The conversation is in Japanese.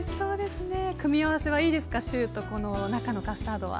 組み合わせはいいですかシューと中のカスタードは。